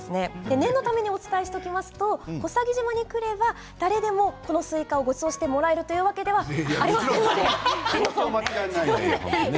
念のためお伝えすると小佐木島に来れば誰でもこのスイカをごちそうしてもらえるというわけではありません。